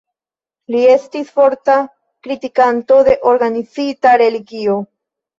Li estis forta kritikanto de organizita religio.